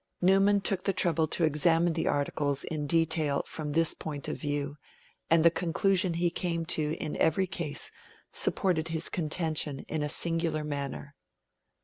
Newman took the trouble to examine the Articles in detail from this point of view, and the conclusion he came to in every case supported his contention in a singular manner.